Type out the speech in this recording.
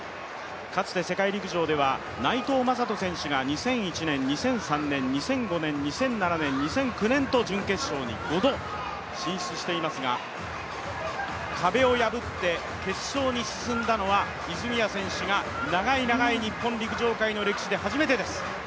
かつて世界陸上では内藤真人選手が２００１年、２００３年、２００５年、２００７年、２００９年と５度進出していますが、壁を破って決勝に進んだのは泉谷選手が長い長い日本陸上界の歴史で初めてです。